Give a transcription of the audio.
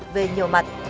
về nhiều mặt